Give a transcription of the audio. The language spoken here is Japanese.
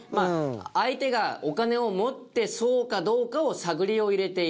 相手がお金を持ってそうかどうかを探りを入れている。